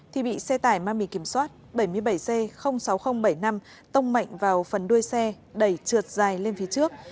thì bị xe tải mang bị kiểm soát bảy mươi bảy c sáu nghìn bảy mươi năm tông mạnh vào phần đuôi xe đẩy trượt dài lên phía trước